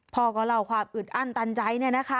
พอก็เล่าความอึดอ้านตันใจน่ะนะคะ